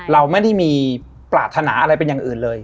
เราไม่ได้มีปรารถนาอะไรเป็นอย่างอื่นเลย